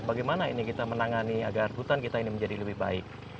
bagaimana ini kita menangani agar hutan kita ini menjadi lebih baik